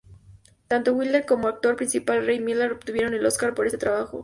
Tanto Wilder como el actor principal, Ray Milland, obtuvieron el Óscar por este trabajo.